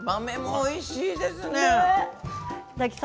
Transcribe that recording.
おいしいです。